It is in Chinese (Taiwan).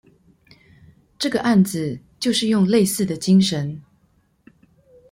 這個案子就是用類似的精神